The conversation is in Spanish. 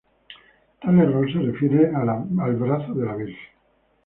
Tal error se refiere al brazo de la Virgen.